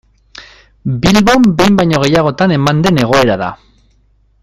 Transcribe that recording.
Bilbon behin baino gehiagotan eman den egoera da.